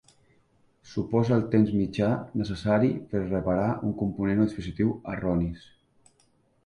Suposa el temps mitjà necessari per reparar un component o dispositiu erronis.